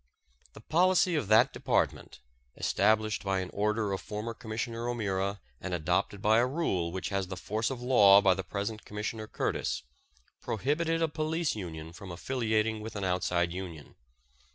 The policy of that department, established by an order of former Commissioner O'Meara and adopted by a rule which has the force of law by the present Commissioner Curtis, prohibited a police union from affiliating with an outside union.